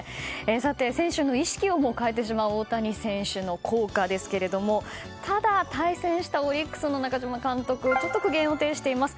選手の意識をも変えてしまう大谷選手の効果ですけどもただ、対戦したオリックスの中嶋監督は苦言を呈しています。